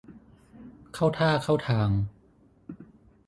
เข้าท่าเข้าทาง